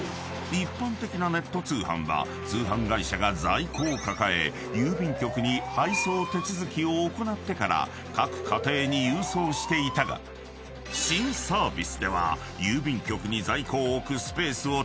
一般的なネット通販は通販会社が在庫を抱え郵便局に配送手続きを行ってから各家庭に郵送していたが新サービスでは］